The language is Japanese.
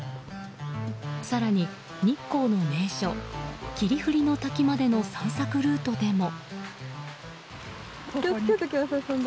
更に、日光の名所霧降ノ滝までの散策ルートでも。